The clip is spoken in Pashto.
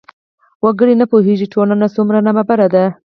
وګړي نه پوهېږي ټولنه یې څومره نابرابره ده.